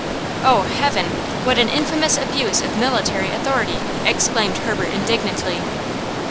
"Oh, heaven, what an infamous abuse of military authority!" exclaimed Herbert, indignantly.